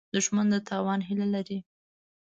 دښمن د تاوان هیله لري